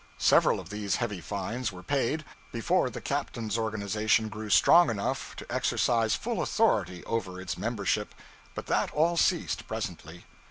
Several of these heavy fines were paid before the captains' organization grew strong enough to exercise full authority over its membership; but that all ceased, presently.